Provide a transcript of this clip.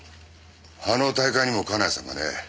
あの大会にも金谷さんがね。